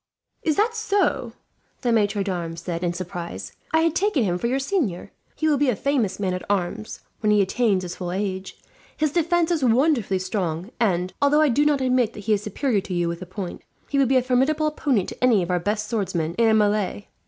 "Is that so?" the maitre d'armes said, in surprise. "I had taken him for your senior. He will be a famous man at arms, when he attains his full age. His defence is wonderfully strong and, although I do not admit that he is superior to you with the point, he would be a formidable opponent to any of our best swordsmen in a melee.